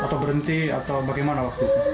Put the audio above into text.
atau berhenti atau bagaimana waktu itu